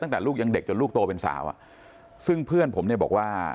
ตั้งแต่ลูกยังเด็กจนลูกโตเป็นสาวอ่ะซึ่งเพื่อนผมเนี่ยบอกว่า